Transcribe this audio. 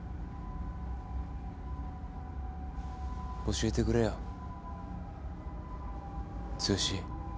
教えてくれよ剛。